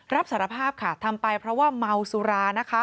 รับสารภาพค่ะทำไปเพราะว่าเมาสุรานะคะ